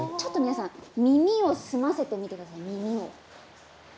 耳を澄ませてみてください。